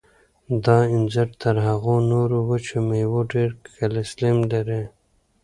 دا انځر تر هغو نورو وچو مېوو ډېر کلسیم لري.